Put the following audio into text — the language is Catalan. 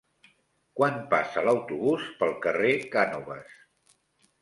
Quan passa l'autobús pel carrer Cànoves?